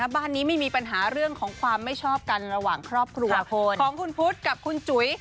บ้านนี้ไม่มีปัญหาเรื่องของความไม่ชอบกันระหว่างครอบครัวของคุณพุทธกับคุณจุ๋ย